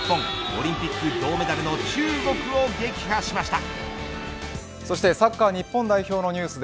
オリンピック銅メダルの中国を撃破しました。